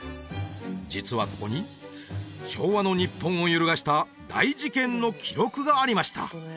実はここに昭和の日本を揺るがした大事件の記録がありました